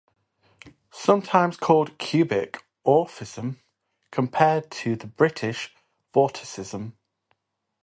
Sometimes called "Cubic Orphism"; compare to the British Vorticism.